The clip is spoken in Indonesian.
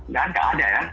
dan tidak ada ya